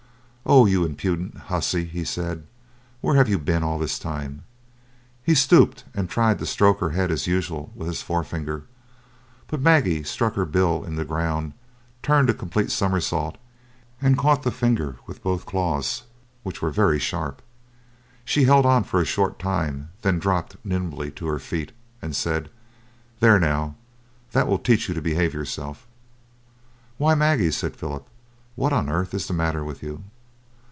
"Oh, you impudent hussy!" he said. "Where have you been all this time?" He stooped, and tried to stroke her head as usual with his forefinger, but Maggie stuck her bill in the ground, turned a complete somersault, and caught the finger with both claws, which were very sharp. She held on for a short time, then dropped nimbly to her feet, and said, "There, now, that will teach you to behave yourself." "Why, Maggie," said Philip, "what on earth is the matter with you?"